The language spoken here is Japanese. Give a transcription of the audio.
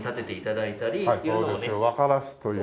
わからすという。